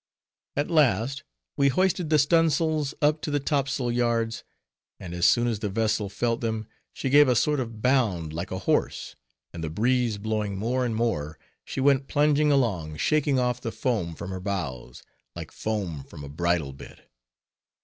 At last we hoisted the stun' sails up to the top sail yards, and as soon as the vessel felt them, she gave a sort of bound like a horse, and the breeze blowing more and more, she went plunging along, shaking off the foam from her bows, like foam from a bridle bit.